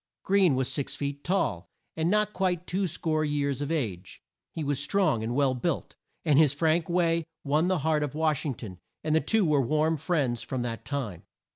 Greene was six feet tall, and not quite two score years of age. He was strong and well built, and his frank way won the heart of Wash ing ton, and the two were warm friends from that time.